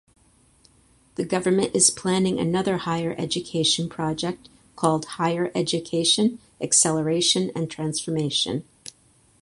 The government is planning another higher education project called Higher Education Acceleration and Transformation.